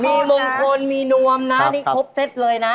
มีมงคลมีนวมนะนี่ครบเซ็ตเลยนะ